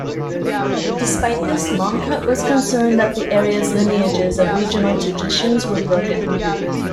Despite this, Mongkut was concerned that the area's lineages of regional traditions were broken.